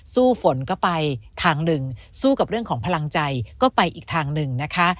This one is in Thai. ฝนก็ไปทางหนึ่งสู้กับเรื่องของพลังใจก็ไปอีกทางหนึ่งนะคะ